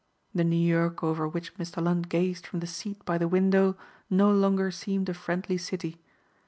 The New York over which Mr. Lund gazed from the seat by the window no longer seemed a friendly city.